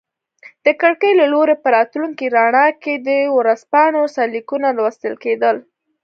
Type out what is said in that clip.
د کړکۍ له لوري په راتلونکي رڼا کې د ورځپاڼو سرلیکونه لوستل کیدل.